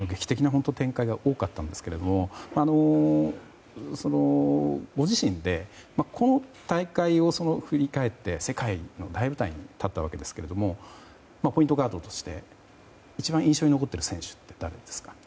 今大会、劇的な展開が多かったんですけれどもご自身で、この大会を振り返って世界の大舞台に立ったわけですけれどもポイントガードとして一番印象に残っている選手って誰ですか？